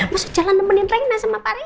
maksudnya jalan nemenin reina sama pak reza